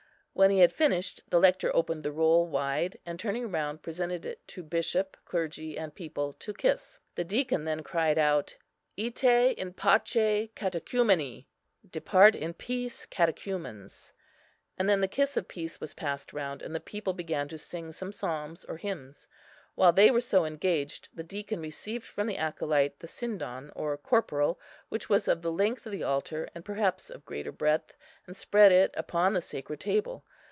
When he had finished, the Lector opened the roll wide, and, turning round, presented it to bishop, clergy, and people to kiss. The deacon then cried out, "Ite in pace, catechumeni," "Depart in peace, catechumens;" and then the kiss of peace was passed round, and the people began to sing some psalms or hymns. While they were so engaged, the deacon received from the acolyte the sindon, or corporal, which was of the length of the altar, and perhaps of greater breadth, and spread it upon the sacred table.